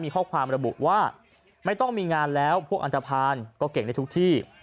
ข้อความระบุว่าไม่ต้องมีงานแล้วพวกอันตภัณฑ์ก็เก่งในทุกที่